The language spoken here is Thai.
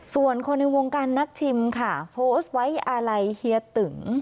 ส่วนคนในวงการนักชิมค่ะโพสต์ไว้อาลัยเฮียตึง